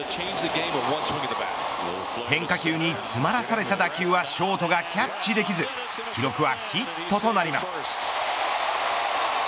変化球に詰まらされた打球はショートがキャッチできず記録はヒットとなります。